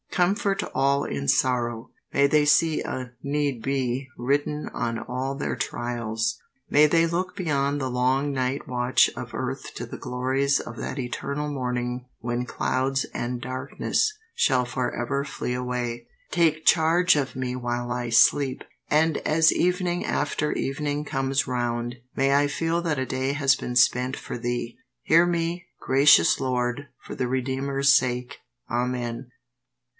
Comfort all in sorrow. May they see a "need be" written on all their trials. May they look beyond the long night watch of earth to the glories of that eternal morning when clouds and darkness shall for ever flee away. Take charge of me while I sleep, and as evening after evening comes round may I feel that a day has been spent for Thee. Hear me, gracious Lord, for the Redeemer's sake. Amen.